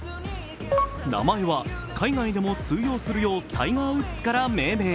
名前は海外でも通用するようタイガー・ウッズから命名。